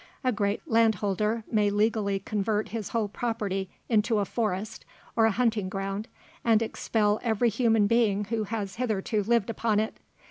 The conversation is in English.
A great landholder may legally convert his whole property into a forest or a hunting ground, and expel every human being who has hitherto lived upon it.